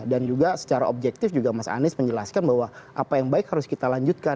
dan juga secara objektif juga mas anies menjelaskan bahwa apa yang baik harus kita lanjutkan